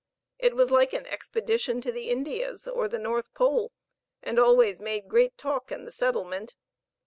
It was like an expedition to the Indias, or the North Pole, and always made great talk in the settlement.